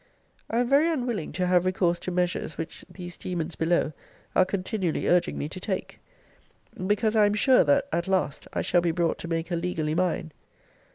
I am very unwilling to have recourse to measures which these demons below are continually urging me to take; because I am sure, that, at last, I shall be brought to make her legally mine.